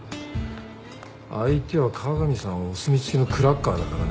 相手は加賀美さんお墨付きのクラッカーだからね。